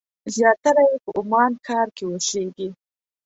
زیاتره یې په عمان ښار کې اوسېږي.